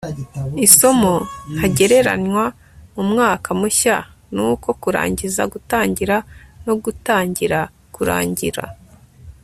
isomo ntagereranywa mu mwaka mushya ni uko kurangiza gutangira no gutangira kurangira